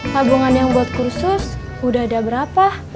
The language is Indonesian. tabungan yang buat kursus udah ada berapa